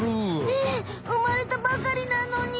え産まれたばかりなのに。